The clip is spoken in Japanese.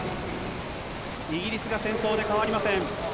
イギリスが先頭で変わりません。